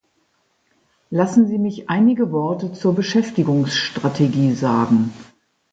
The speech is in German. Lassen Sie mich einige Worte zur Beschäftigungsstrategie sagen.